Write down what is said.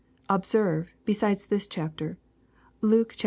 Ob* serve, beside this chapter, Luke xviii.